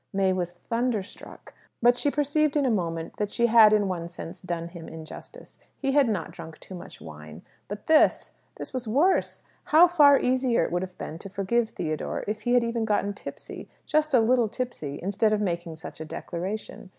May was thunderstruck. But she perceived in a moment that she had, in one sense, done him injustice he had not drunk too much wine. But this ! This was worse! How far easier it would have been to forgive Theodore if he had even got tipsy just a little tipsy instead of making such a declaration!